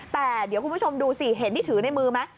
แต่เดี๋ยวคุณผู้ชมดูสิเห็นที่ถือในมือไหม